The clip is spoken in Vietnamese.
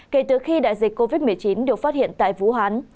kể từ khi đại dịch covid một mươi chín được phát hiện tại vũ hán